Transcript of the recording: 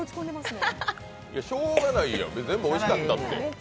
しょうがないやん、全部おいしかったですって。